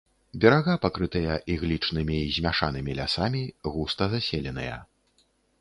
Берага пакрытыя іглічнымі і змяшанымі лясамі, густа заселеныя.